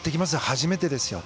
初めてですよ。